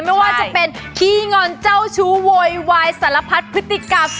ไม่ว่าจะเป็นขี้งอนเจ้าชู้โวยวายสารพัดพฤติกรรม